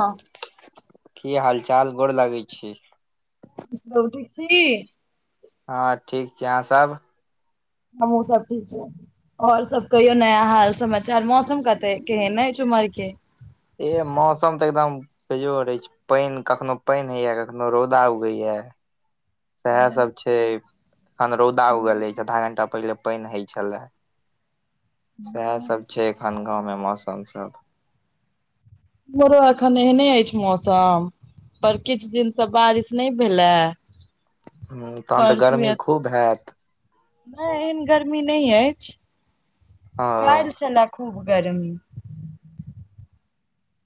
हँ। की हाल चाल गोर लागै छी [unintelligible] ठीक छी। हँ ठीक छी अहाँ सब हमू सब ठीक छी आओर सब कहियो नया हाल समाचार मौसम कते केहेन यऽ ओमहर के ए मौसम तऽ एकदम कैजो रहै छै पान कखनो पानि होइया कखनो रौदा उगैएा सएह सब छै अखन रौदा उगले ऐछ आधा घं्टा पहिले पानि हय छले सएह सब छै एखन गाँव मे मौसम सब एम हरो एखन एहने अछि मौसम पर किछु दिन से बारिश नहि भेले हऽ तहन तऽ परसू गर्मी या खूब हयत। नहि एहन गर्मी नहि अछि ओ काल्हि छलए खूब गर्मी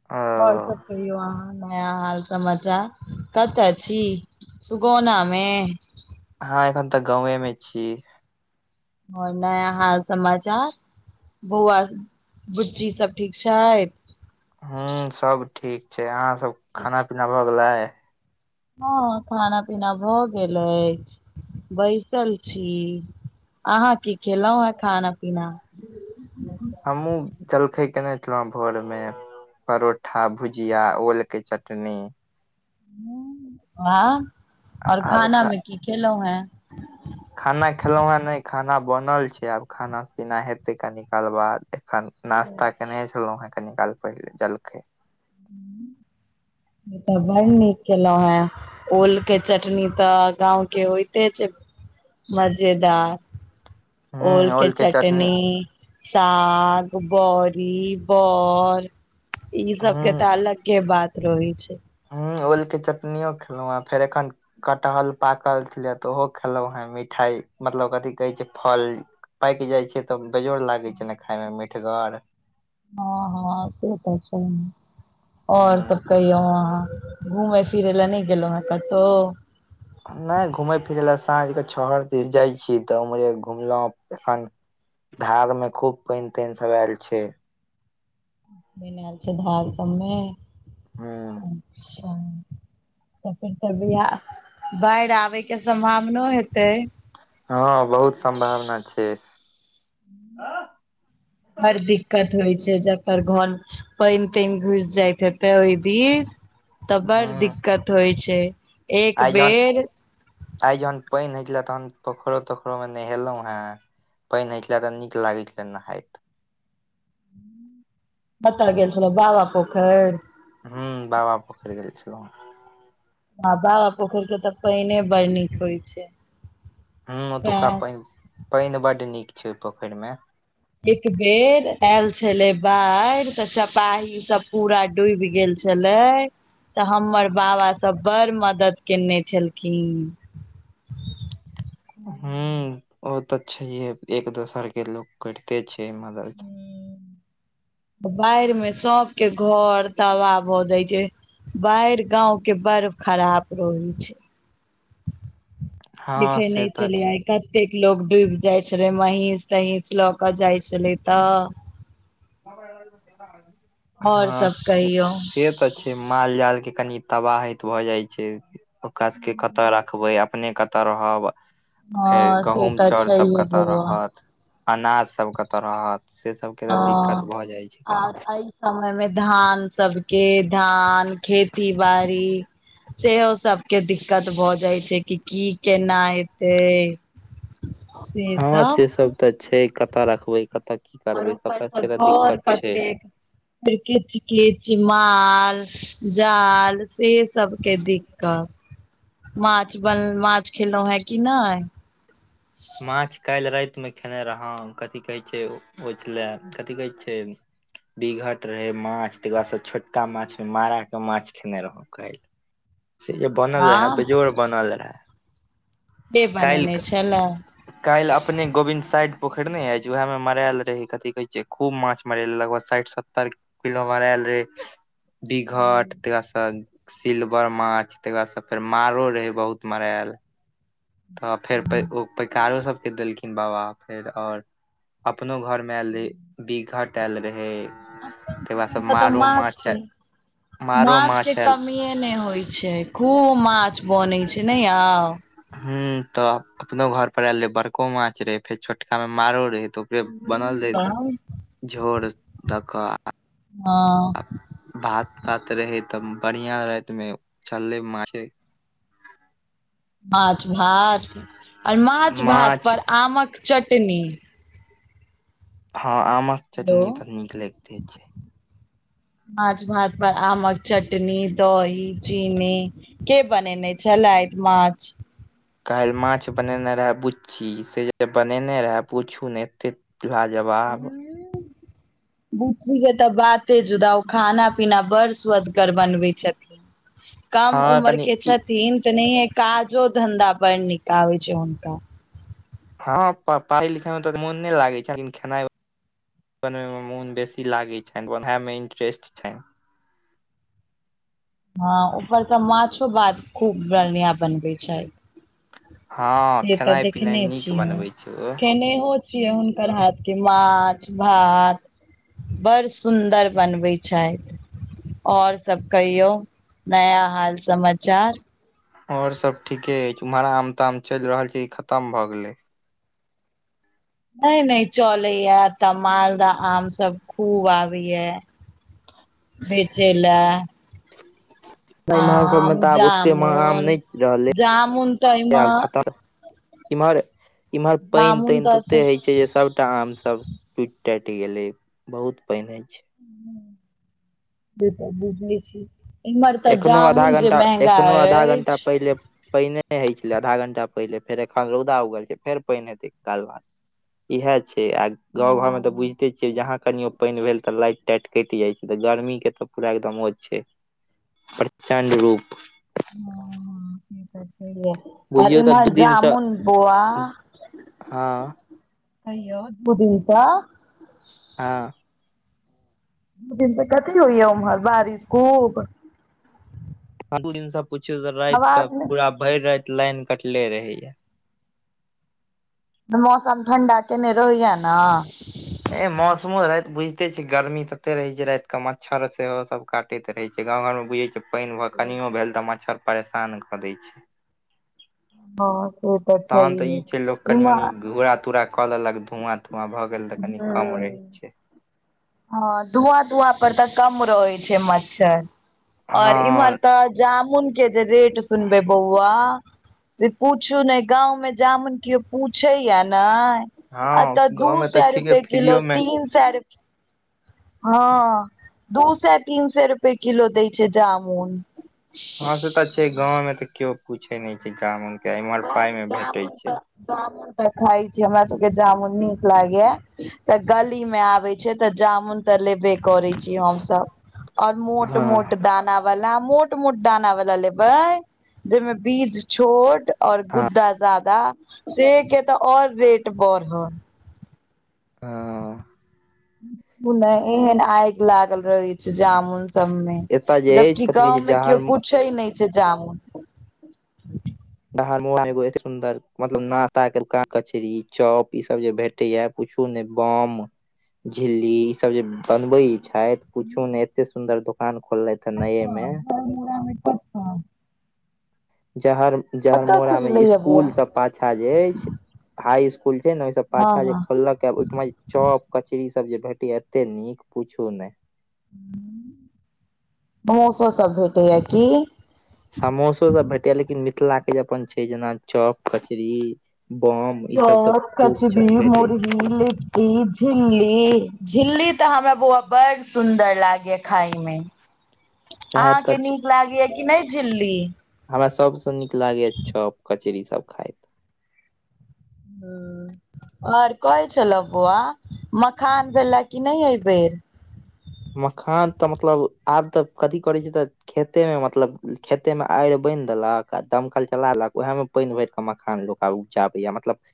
आ आओर सब कहियौ अहाँ नया हाल समाचार कतय छी। सुगोनाा मे। हँ एखन तऽ गावे में छी। आओर नया हाल समाचार बौआ बुच्ची सब ठीक छैथ हू सब ठीक छै, अहाँ सब खाना अच्छा पीना भऽ गेलै हँ खाना पीना भऽ गेल अछि बैसल छी, अहाँ की खेलहुं हें खाना पीना हमहुँ जलखै केने छलहुँ भोर मे परोठा भुजिया ओल कऽ चटनी [unintelligible] वाह और आर खाना मे की खेलहु हैं। खाना खेलौँ हेँ नहि खाना बनल छै आब खाना पीना हेतै कनि काल बाद एखन नाास्ता केने छलो हे कनी काल पहिले जलखे ई तऽ बड़ नीक केलहुं हें ओल के चटनी तऽ गाँंव के होइते छै मजेदार ओल के चटनी साग बरीी बर ई सब के तऽ अलगे बात रहै छै। हू ओलके चटनो खेलहुँ हऽ फेर एखन कटहल पाकल छलै तऽ ओहो खेलहुं हेँ मिठाई मतलब कथिी कहै छै फल पाकि जाइ छै तऽ बेजोड़ लागे छै ने खाय मऽ मिीठगर हँ हँ से तऽ सहि ह और सब कहियौ अहाँ, घुमय फिरे लए नहि गेलहुं हऽ केतो नहि घूमय फिरै लए साँझ कऽ छहर दिस जाइ छी तऽ उम्हरे घुमलहु एखन धार में खूब पानि तानि सब आयल छै। बनायल छै धार सबमे ह अच्छा तऽ फेर तऽ बि बाढ़ि आबै के सम्भावना हेतै। हँ बहुत सम्भावना छैय। बड़ दिक्कत होइ छै जकर घर पानि तानि घुस जाइत हेतै ओई दिस तऽ बड़ हूँ दिक्कत होइ छै, एक आइ जहन बेर आइ जहन पानि होई छलै या तहन पोखरो तोखरो मे नहेलौ हें पैनिक होई छलैया तऽ नीक लागैछलए नहाईत कत गेल छलौं बाबा पोखैर हू बाबा पोखरि गेल छलौ हें। हँ बावा पोखैरके त पैनि बर नीक होइ छै। हूँ ओतुका सएह पै पानि बड नीक छै ओ पोखरि मे एक बेर आयल छेलै बाढ़ि त चपाही सब पूरा डूबि गेल छ। छलै तऽ हमर बाबा सब बड़ मदद केने छलखिन। हूँ ओ तऽ छैहिए एक दोसर के लोक करिते छै मदद बाढ़ि मे सबके घर ताबाह भऽ जय छै बाढ़ि गांव के बर खराप रहै छै [inaudible] दिखेनाइ से नै तऽ चलै छै आइ कतेक लोग डूइब जाय छलै महींस तहींस लऽ क जाय छलै तऽ आओर हँ सब से कहियौ सेत माल जाल के कनि तबाहीत भए जाय छै ओका सब के कत राख खबै अपने कतऽ रहब हँ फेर से गहूँम तऽ चाउर सब छैहे कतऽ बौआ रहत अनाज सब कतऽ रहत से सबके तऽ दिक्कत हँ भऽ जाइ छै कनि। आर एहि समय मे धान सबके धान खेती बाड़ी सेहो सबके दिक्कत भऽ जाइ छै कि केना एतै हँ से सब तऽ छै कतय रखबै कत। आओर उपरसँ घर छै कतेक फेर किच किच माल जाल से सबके दिक्कत माछ बन माछ खेलौं हैं कि नै मांछ काल्हि रातिमे खेने रहौं कथि कहै छै ओ छलए कथि कहै छै बिघट रहैे मांछ तैके बाद छोटका माछ मारा के मांछ खेने रहौ काल्ह से जे बनल रहेए हँ बेजोड़ बनल रहेए से काल्हि बनेने छलै काल्हि अप अपने गोविन्द साइड पोखैर नै आईछ उएह मे मराएल रहै कथि कहै छै खूब माछ मराएल रहै लगभग साठि सत्तर किलो किलो मरैल रहै दिघट तिरासन सिल्वर माछ तै के बादस फेर मारो रहै बहुत मराएल तऽ फेर ओ पैकारो सब के देलखिन बाबा फेर आओर अपनो घर मे आयल रहै बीघट आएल रहै अपन ताहि बाद सबके स एतऽ तऽ मारो माछ मारो माछ आएल एहने होइ छै खूब माछ बनै छै नै याउ हूँ तऽ अपनो घर पर आएल रहै बड़को माछ रहै फेर छोटका मे मारो रहै त बनल रहै झोर द क हँ भात तात रहै तऽ बढ़िया राति मे चललै माछे [inaudible] माछ भात आओर माछ भात पर आमक चटनी हँ आमक हेलो चटनी तऽ नीक लैगते छै माँछ भात पर आमक चटनी दही चीनी के बनेने छलैथ माछ काल्ह माछ बनेने रहै बुच्ची से बनेने रहै पूछू नइ एते लाजवाब बुच्ची के तऽ बाते जुदा ओ खाना पीना बड़ सुअदगर बनबै छथिन [inaudible] कम हँ उमर कनि के ई छथिन तेनेहिए काजो धंधा बढ़ निक आबै छै हुनका हँ प्प पढ़ाई लिखेई मे त मोन नइ लागे छै लेकिन खेनाइ बनमे म मोन बेसी लागै छैन ओहैमे इंटरेस्ट छैन हँ ऊपरक माछो भात खूब बढ़िया बनबै छैथ हँ से तऽ खेनाइ पिनाइ देखेने नीक छी हम बनबै छै ओ खेनेहो छी छियै हुनकर हाथ के माछ भात बड़ सुन्दर बनबै छैथ और सब कहियौ नया हाल समाचार ओर सब ठीके एछ उम्हर आम ताम चैल रहल छै कि खतम भए गेले नय नय चलै या एतऽ मालदह आम सब खूब आबै या [inaudible] बेचे लऽ नइ इम्हर सभमे तऽ आब ओतेक [inaudible] मह आम जामुन नइ रहलै जामुन तऽ एमे आब खतम इम्हर इम्हर पैइन जामुन तैइन तते तऽ हे छै जे सब टा आम सब टूट टाईट गेले बहुत पैइन हय छै। [inaudible] जे तऽ बुझै छी इम्हर तऽ एखनो आधा जामुन जे घंटा महंगा एखनो आधा घंटा अछि पहिले पैइने नै होइ छलै आधा घंटा पहिले फेर एखन रौदा उगल छै फेर पैइने हेतै [unintelligible] कनि कालबाद इहै छै आ गाँव हँ घरमे तऽ बुझते छी जहाँ कनियो पैइन भेल तऽ लाइट टाइट केट जाय छै तऽ गर्मी के तऽ पूरा एकदम मौज छै प्रचण्ड रूप [inaudible] अ बुझियौ तऽ इम्हर दू दिन से जामून बौआ हँ अय्यो [unintelligible] हऽ दू दिन तऽ कथी होइया उम्हर बारिश खूब दू दिन से पूछियो तऽ राइत कऽ आवाज नै पूरा भैर राइत लाइन कटले रहेय मौसम ठण्डा केने रहया नै ए मौसमो राइत बुझते छै गर्मी तते रहे छै राइत क मच्छर सेहो सब काट टैत रहे छै गाँंव घर में बुझे छिए पैइन कनियो भेल तऽ मच्छर परेशान कऽ दई छै हँ से तहन तऽ ई छैहे छै लोक कनि मनि इम्हर घूरा तूरा कऽ लेलक धुआँ धुआँ भऽ गेल तऽ कनि कम रहै छै हँ धुआँ धुआँ पर तऽ कम रहै छै मच्छर और इम्हर हँ त जामून के जे रेट सुनबै बौआ से पूछू ने गाँंव में जामुन केओ पूछे या ने हँ अतऽ दू गाँव मे तऽ सै ठीके रुपे किलो फ्रीयो मे तीन सै रु हँ दू सै तीन सै रुपए किलो दै छै जामुन हँं से तऽ छै गांव में तऽ केओ पूछे नइ छै जामुन के इम्हर पर पाई में भेटे जामुन तऽ छै जामुन तऽ खाइ छी हमरा सबके जामुन नीक लागैया तऽ गली में आबे छै तऽ जामुन तऽ लेबे करे छै। छी हम सब और मोट हँ मोट दाना। वाल मोट मोट दाना वाला लेबै जेहिमे बीज छोट और हँ गुद्दा। जादा से केँ तऽ और रेट बड़ ह। [unintelligible] ओ नै एहन आइग लागल रहै छै जामुन सब में एतय जे जब अछि की कथि कहै छै गाँव में केओ जहर पूछै नै छै जामुन। र एो ए सुंन्दर मतलब नताक कचरी चौप ई सब जे भेट तैयाह किछु नै बम झिल्ली ई सब जे बनबै छैथ पूछू नै एते सुन्दर दुकान खोललेथ कऽ तऽ जहरमुरा में कऽ तऽ जहर कतऽ जहरमोड़ा में खुजलैया बौआ इसकुल स पाछाँ जे ऐछ हाई इसकुल छै न ओइ स हँ पाछा जे हँ खोलकै ओ ठामा जे चॉप कचरी ई सब जे भेटैय एते नीक पूछू नै [inaudible] भोसो सब भेटैय की। समोसो सब भेटेय लेकिन मिथिला केँ जे अपन छै जेना चॉप कचरी बम ई सब चौर तऽ खूब चल भेटेय छै। ई झिल्ली झिल्ली तऽ हमरा बौआ बड़ सुदर लागेय खाय में छै ते ते अहाँकेँ नीक लागैया कि नै झिल्ली हमरा सबस नीक लागेय चॉप कचरी ई सब खाय हू। और कहै छलौ बौआ मखान भेल है की नै यै बेर। मखान तऽ मतलब आब तऽ कथी करै छै तऽ खेते में मतलब खेते में आइर बाइंद देलक आ दमकल चला देलक ओहेम पाइन भैर कऽ मखान लोक आब उपजाबैय मतलब।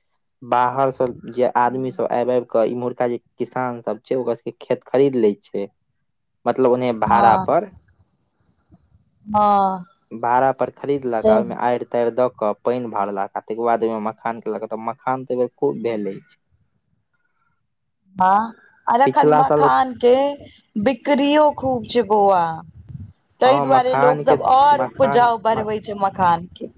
बाहर सब जे आदमी सब आइब आइब कऽ इम्हुरका जे किसान सब छै ओकर सब केँ खेत खरीद लै छै [inaudible] मतलब उनैहै हँ भाड़ा पर। हँ [inaudible] भाड़ा पर खरीदलक तऽ आ ओइम आइर ताइर दऽ कऽ पाइन भरलक आ तै केँ बाद ओइ में मखान केलक तऽ मखान तऽ अए बेर खुब भेले अछी [unintelligible] हँ अर अखन पिछला साल मखान केँ बिकरीयो खूब छै बौआ तै हँ दुआरे लोक मखान के सब और उपजाउ मखान बढ़बे छै मखान केँ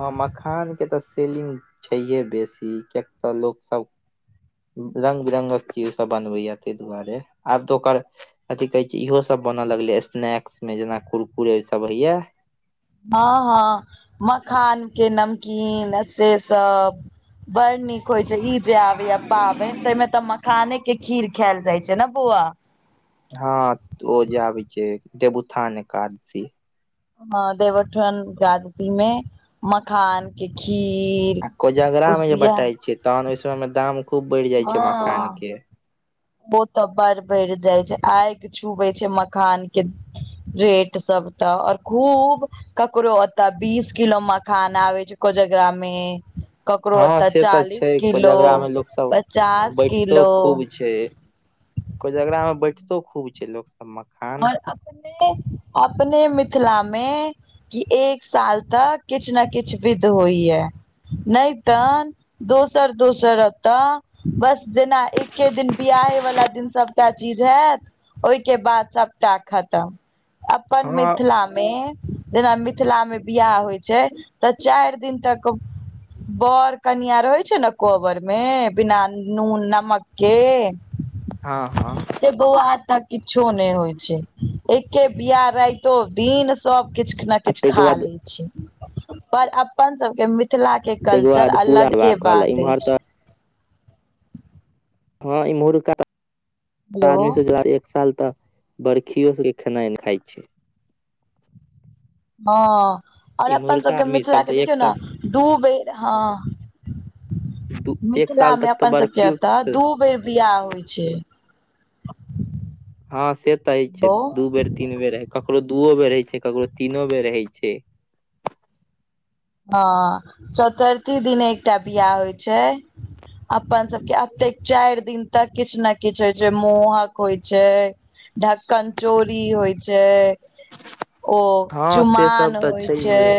हँ मखान केँ तऽ सेलिंग छैहे बेसी किय की तऽ लोक सब रंग बिरंगक चीज सब बनबैया तै दुआरे आब तऽ ओकर अथी कहे छै इहो सब बन लगले स्नैक्स में कुरकुरे सब हेये। हँ हँ मखान केँ नमकीन से सब बड़ नीक होइ छै ई जे आबै यऽ पाबैन तऽ मे तऽ मखान केँ खीर खैल जाइ छै न बोआ। हँ ओ जे आबै छै देवउथान एकादशी हँ देवउठन जागति में मखान केँ खीर। आ कोजगरा में जे कुसिया बटाई छ तहन ओइ समय में दाम खूब बैढ़ जाय छै मखान हँ केँ ओ तऽ बड़ बैढ़ जाइ छै आइंग छुबै छै मखान केँ रेट सब तऽ और खूब ककरो ओतऽ बीस किलो मखान आबैय छै कोजेगरा मे। ककरो हँ ओतऽ से तऽ छै चालीस किलो कोजगरा मे लोक सब पचास किलो। छै। कोजेगरा मऽ बैठतो खूब छै लोक सब मऽ। आओर अपने अपने मिथिला मे कि एक साल तक किछ न किछ विध होई य नय तन दोसर दोसर एतऽ। बस जेना एके दिन बियाहे वाला दिन सबटा चीज हैत ओहि केँ बाद सबटा खतम अपन हँ मिथिला मे जेना मिथिलामे बियाह होइ छै तऽ चाइर दिन तक बर कनिआ रहै छै नऽ कोहबर मे बिना नून नमक केँ। हँ हँ। से बौआ एतऽ किछो नय होइ छै एके बियाह राइतो दिन सब किछ नऽ आ किछ ताहिके खा बाद लै छी पर अपन सबके मिथिला केँ ताहिके कल्चर बाद पूरा अलगे हेबाक कहल बात इम्हर अछि। तऽ हँ इमहुरका तऽ आदमी हेलो आदमी सब दुआरे एक साल तऽ। बर्खियो सबके खेनाइ नय खाइ छै। हँ आओर अपन सभ इम्हुरका केँ आदमी सब मिथिलाे तऽ एक देखियौ साल नऽ दू बेर हँ। दू एक मिथिला साल मे तक तऽ अपन सबके बरखियो एतऽ दू बेर बियाह होइ छै। हँ से तऽ हय छै ओ दू बेर तीन बेर हय ककरो दूओ बेर होइ छै ककरो तीनो बेर होइ छै। हँ चतुर्थी दिन एकटा बियाह होइ छै। अपन सबके एतेक चाइर दिन तक किछ नय किछ होइ छै मोहक होइ छै। ढक्कन चोरी होइ छै। ओ हँ से चुमान सब तऽ होइ छै। छैहे